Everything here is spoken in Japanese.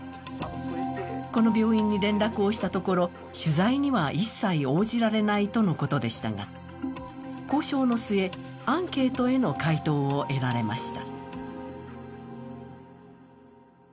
この病院に連絡をしたところ取材には一切応じられないとのことでしたが交渉の末、アンケートへの回答を得られました。